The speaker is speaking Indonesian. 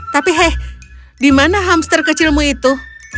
tapi hei di mana hamster kecilmu itu